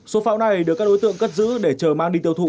số pháo này được các đối tượng cất giữ để chờ mang đi tiêu thụ